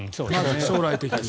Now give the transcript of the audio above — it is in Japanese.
将来的に。